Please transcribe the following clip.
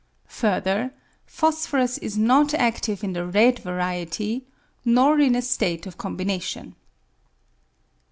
Further, phos phorus is not adive in the red variety, nor in a state of combination.